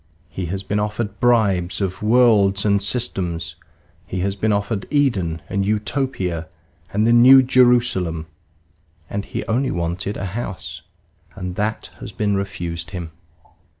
He has been offered bribes of worlds and systems; he has been offered Eden and Utopia and the New Jerusalem, and he only wanted a house; and that has been refused him.